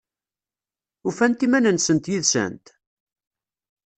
Ufant iman-nsent yid-sent?